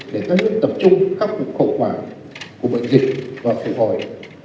để các nước tập trung khắc phục khẩu quả của bệnh dịch và phục hồi